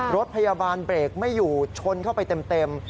รถพยาบาลเบรกไม่อยู่ชนเข้าไปเต็ม